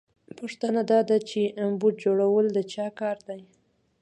پوښتنه دا ده چې بوټ جوړول د چا کار دی